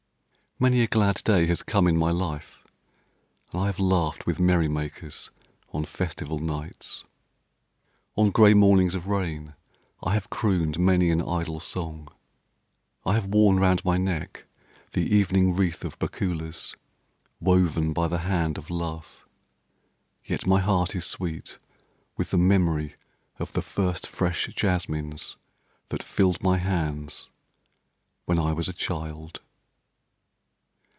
Many a glad day has come in my life, and I have laughed with merrymakers on festival nights. On grey mornings of rain I have crooned many an idle song. I have worn round my neck the evening wreath of bakulas woven by the hand of love. Yet my heart is sweet with the memory of the first fresh jasmines that filled my hands when I was a child.